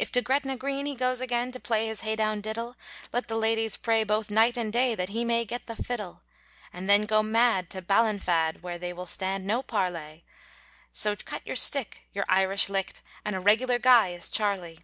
If to Gretna Green he goes again, To play his hey down diddle, Let the ladies pray both night and day, That he may get the fiddle! And then go mad to Ballinafad, Where they will stand no parley, So cut your stick, your Irish licked, And a regular guy is Charlie.